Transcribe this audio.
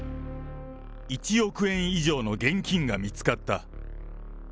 １億円以上の現金が見つかった。